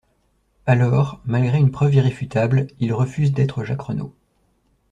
Alors, malgré une preuve irréfutable, il refuse d'être Jacques Renaud.